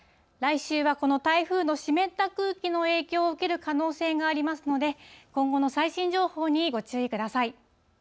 来週はこの台風の湿った空気の影響を受ける可能性がありますので、今後の最新情報にご注意ください。